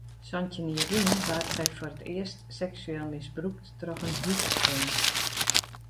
Santjin jier lyn waard sy foar it earst seksueel misbrûkt troch in húsfreon.